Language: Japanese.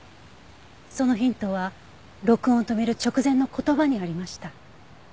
そのヒントは録音を止める直前の言葉にありました。